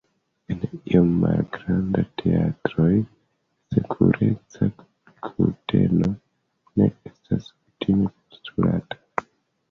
En iom malgrandaj teatroj, sekureca kurteno ne estas kutime postulata.